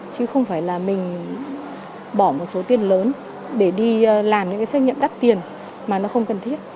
chứ không phải là mình bỏ một số tiền lớn để đi làm những cái xét nghiệm đắt tiền mà nó không cần thiết